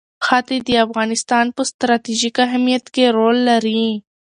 ښتې د افغانستان په ستراتیژیک اهمیت کې رول لري.